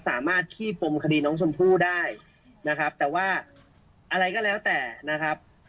ขี้ปมคดีน้องชมพู่ได้นะครับแต่ว่าอะไรก็แล้วแต่นะครับ